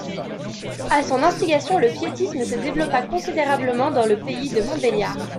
À son instigation, le piétisme se développa considérablement dans le pays de Montbéliard.